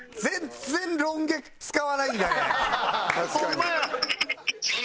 ホンマや！